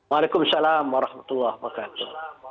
waalaikumsalam warahmatullah wabarakatuh